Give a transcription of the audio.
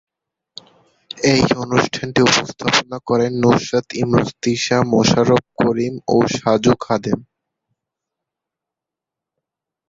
এই অনুষ্ঠানটি উপস্থাপনা করেন নুসরাত ইমরোজ তিশা, মোশাররফ করিম ও সাজু খাদেম।